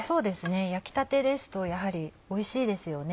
焼きたてですとやはりおいしいですよね。